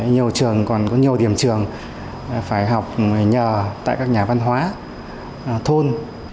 nhiều trường còn có nhiều điểm trường phải học nhờ tại các nhà văn hóa thôn